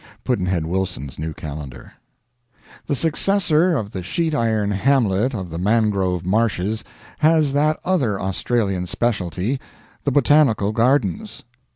Pudd'nhead Wilson's New Calendar. The successor of the sheet iron hamlet of the mangrove marshes has that other Australian specialty, the Botanical Gardens.